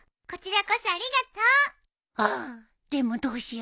こちらこそありがとう。